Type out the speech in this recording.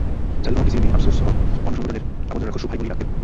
সাইদুর রহমানকে সিপিবি, আপসোসহ অন্য সংগঠনের আপনজনেরা খসরু ভাই বলেই ডাকতেন।